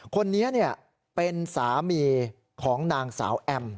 คนนี้เป็นสามีของนางสาวแอม